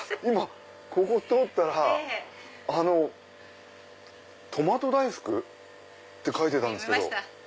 ここ通ったらとまと大福って書いてたんですけど。